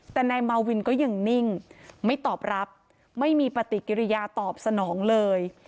แต่นายมาวินก็ยังนิ่งไม่ตอบรับไม่มีปฏิกิริยาตอบสนองเลย